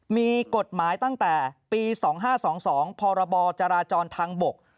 มีกฎหมายตั้งแต่ปี๒๕๒๒พรบจราจรทางบก